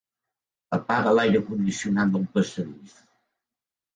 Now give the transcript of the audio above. Apaga l'aire condicionat del passadís.